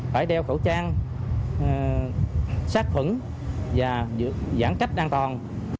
phải đeo khẩu trang sát khuẩn và giãn cách an toàn